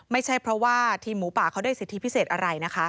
ไม่ใช่เพราะว่าทีมหมูป่าเขาได้สิทธิพิเศษอะไรนะคะ